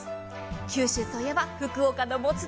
九州といえば福岡のもつ鍋。